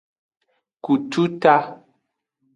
Kututa.